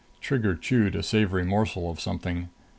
Trigger chewed a savory morsel of something.